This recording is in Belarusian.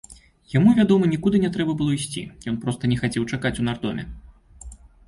Яму, вядома, нікуды не трэба было ісці, ён проста не хацеў чакаць у нардоме.